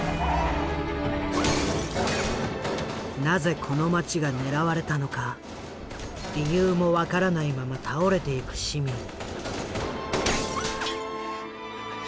なぜこの街が狙われたのか理由も分からないまま倒れていく市民。